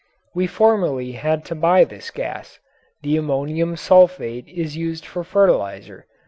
We formerly had to buy this gas. The ammonium sulphate is used for fertilizer.